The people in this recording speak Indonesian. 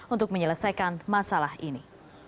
untuk menyelesaikan masalah ini